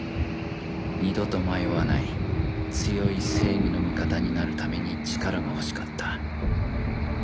二度と迷わない強い正義の味方になるために力が欲しかった